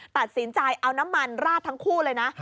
ตัดสินใจเอาน้ำมันราดทั้งคู่เลยนะ